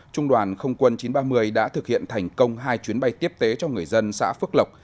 trung đoàn không quân chín trăm ba mươi đã thực hiện thành công hai chuyến bay tiếp tế cho người dân xã phước lộc